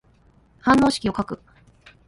反応式を書く。